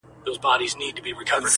د وګړو به سول پورته آوازونه -